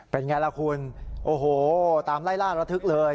เป็นไงล่ะคุณโอ้โหตามไล่ล่าระทึกเลย